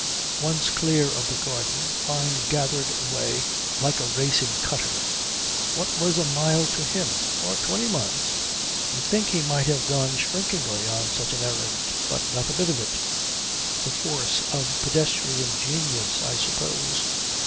Once clear of the garden Fyne gathered way like a racing cutter. What was a mile to him or twenty miles? You think he might have gone shrinkingly on such an errand. But not a bit of it. The force of pedestrian genius I suppose.